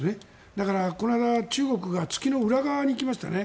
だから、この間中国が月の裏側に行きましたね。